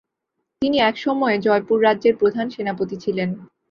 তিনি একসময়ে জয়পুর রাজ্যের প্রধান সেনাপতি ছিলেন।